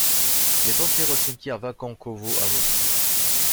Il est enterré au cimetière Vagankovo, à Moscou.